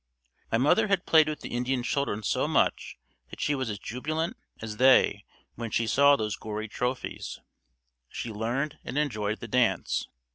My mother had played with the Indian children so much that she was as jubilant as they when she saw these gory trophies. She learned and enjoyed the dance.